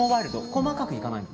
細かくいかないの。